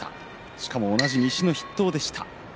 しかも同じ西の筆頭でした。